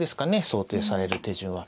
想定される手順は。